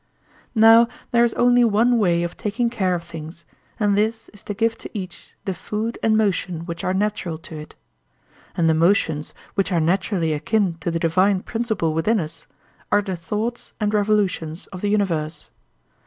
Now there is only one way of taking care of things, and this is to give to each the food and motion which are natural to it. And the motions which are naturally akin to the divine principle within us are the thoughts and revolutions of the universe.